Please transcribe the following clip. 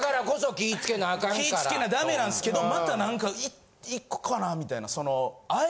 気ぃつけなダメなんですけどまた何かいこかなみたいなその。